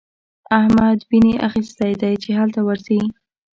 احمد ويني اخيستی دی چې هلته ورځي.